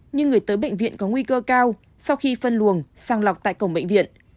nhưng người tới bệnh viện có nguy cơ cao sau khi phân luồng sang lọc tại cổng bệnh viện